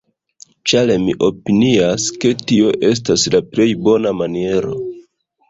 ĉar mi opinias, ke tio estas la plej bona maniero